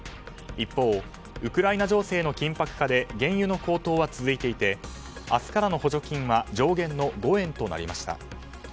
一方、ウクライナ情勢の緊迫化で原油の高騰は続いていて明日からの補助金は上限の５円となりました。